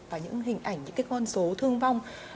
và những hình ảnh những cái con số thương vong